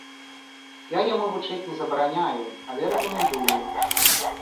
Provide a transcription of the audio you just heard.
Я яму вучыць не забараняю, але рэкамендую.